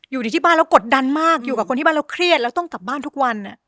อยู่ที่บ้านแล้วกดดันมากอยู่กับคนที่บ้านแล้วเครียดแล้วต้องกลับบ้านทุกวัน